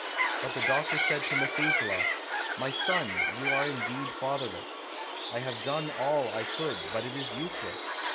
But the doctor said to Methuselah: "My son, you are indeed fatherless. I have done all I could, but it is useless.